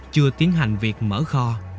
chưa tiến hành việc mở kho